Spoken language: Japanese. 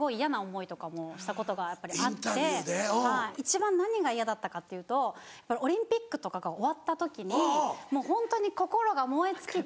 一番何が嫌だったかっていうとオリンピックとかが終わった時にもうホントに心が燃え尽きて。